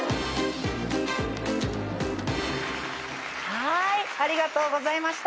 はーいありがとうございました。